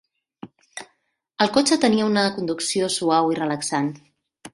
El cotxe tenia una conducció suau i relaxant.